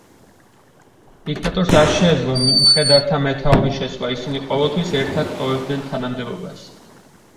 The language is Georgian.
დიქტატორს არ შეეძლო მხედართა მეთაურის შეცვლა, ისინი ყოველთვის ერთად ტოვებდნენ თანამდებობას.